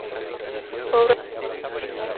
Obras póstumas